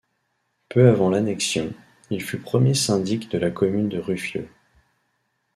Peu avant l'Annexion, il fut premier syndic de la commune de Ruffieux.